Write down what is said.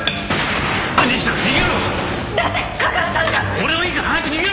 俺はいいから早く逃げろ！